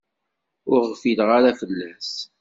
Ur ɣfileɣ ara fell-as.